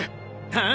ああ。